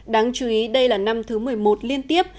đáng chú ý đây là năm thứ một mươi một liên tiếp